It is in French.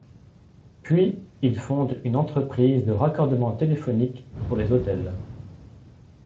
Puis, il fonde une entreprise de raccordements téléphoniques pour les hôtels.